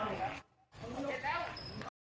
เห็นแล้ว